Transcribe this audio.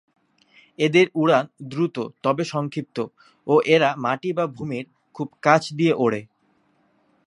এদের উড়ান দ্রুত তবে সংক্ষিপ্ত ও এরা মাটি বা ভূমির খুব কাছ দিয়ে ওড়ে।